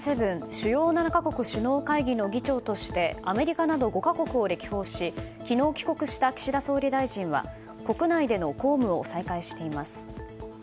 主要７か国首脳会議の議長としてアメリカなど５か国を歴訪し昨日帰国した岸田総理大臣は国内での公務を再開しています。